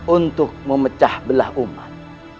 untuk memecah belah umat